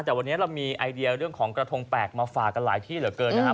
แต่วันนี้เรามีไอเดียเรื่องของกระทงแปลกมาฝากกันหลายที่เหลือเกินนะครับ